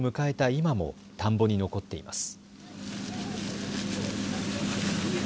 今も田んぼに残っています。